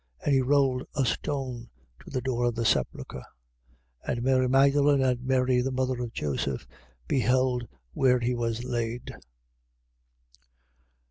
And he rolled a stone to the door of the sepulchre. 15:47. And Mary Magdalen and Mary the mother of Joseph, beheld where he was laid.